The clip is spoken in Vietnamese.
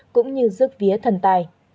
cũng như giúp vía thần tài